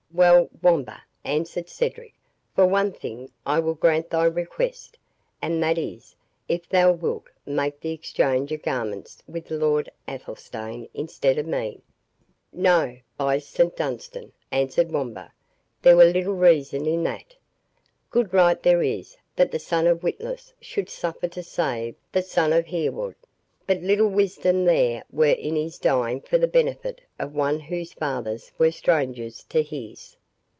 "Well, Wamba," answered Cedric, "for one thing will I grant thy request. And that is, if thou wilt make the exchange of garments with Lord Athelstane instead of me." "No, by St Dunstan," answered Wamba; "there were little reason in that. Good right there is, that the son of Witless should suffer to save the son of Hereward; but little wisdom there were in his dying for the benefit of one whose fathers were strangers to his."